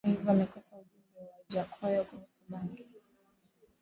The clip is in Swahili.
Viongozi wa kidini hata hivyo wamekosoa ujumbe wa Wajackoya kuhusu bangi